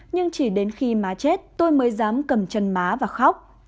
nhưng chỉ đến khi má chết tôi mới dám cầm chân má và khóc